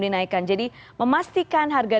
dinaikkan jadi memastikan harga